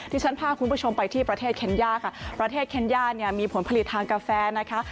ที่ฉันพาคุณผู้ชมไปที่ประเทศเคนย่าค่ะประเทศเคนย่าเนี่ยมีผลผลิตทางกาแฟนะคะ